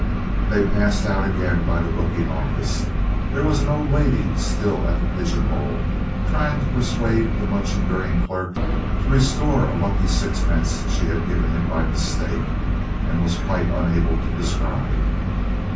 They passed out again by the booking office. There was the old lady still at the pigeon hole, trying to persuade the much enduring clerk to restore a lucky sixpence she had given him by mistake, and was quite unable to describe.